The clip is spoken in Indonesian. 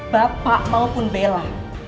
bapak maupun bella